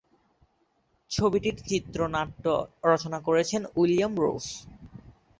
ছবিটির চিত্রনাট্য রচনা করেছেন উইলিয়াম রোজ।